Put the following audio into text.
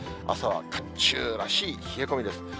あすは寒中らしい冷え込みです。